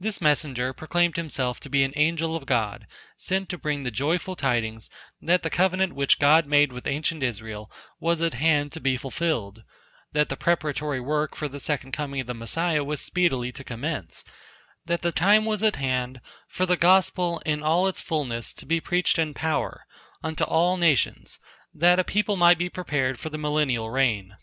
This messenger proclaimed himself to be an angel of God sent to bring the joyful tidings, that the covenant which God made with ancient Israel was at hand to be fulfilled, that the preparatory work for the second coming of the Messiah was speedily to commence; that the time was at hand for the gospel, in all its fulness to be preached in power, unto all nations that a people might be prepared for the millennial reign.